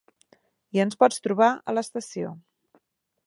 I ens pots trobar a l'estació.